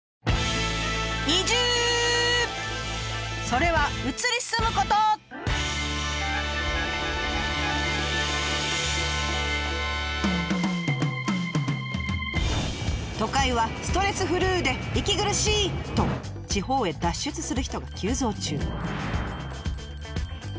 それは都会はストレスフルで息苦しい！と地方へ脱出する人が急増中。